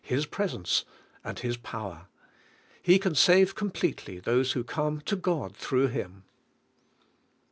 His presence and His power. He can save completely those who come to God through Him!